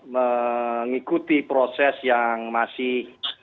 mengikuti proses yang masih